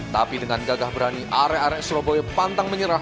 tapi dengan gagah berani area area surabaya pantang menyerah